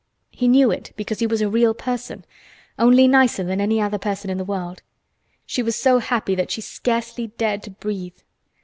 He knew it because he was a real person—only nicer than any other person in the world. She was so happy that she scarcely dared to breathe.